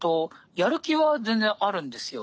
やる気は全然あるんですよ。